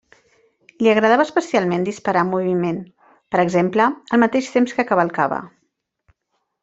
Li agradava especialment disparar en moviment, per exemple, al mateix temps que cavalcava.